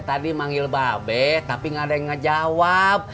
saya tadi manggil baabe tapi gak ada yang ngejawab